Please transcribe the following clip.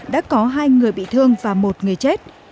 đã có hai người bị thương và một người chết